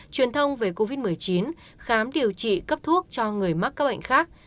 truyền thông về covid một mươi chín khám điều trị cấp thuốc cho người mắc các bệnh khác